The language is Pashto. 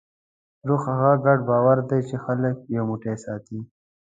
روح هغه ګډ باور دی، چې خلک یو موټی ساتي.